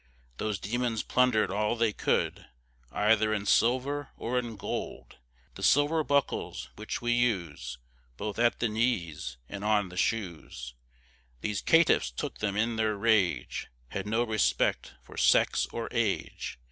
Those demons plunder'd all they could, Either in silver or in gold. The silver buckles which we use, Both at the knees and on the shoes, These caitiffs took them in their rage, Had no respect for sex or age.